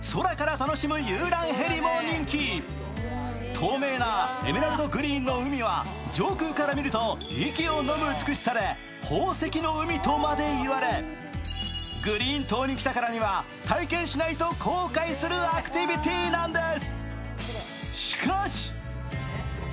透明なエメラルドグリーンの海は上空から見ると、息をのむ美しさで、宝石の海とまで言われ、グリーン島に来たからには、体験しないと公開するアクティビティーなんです。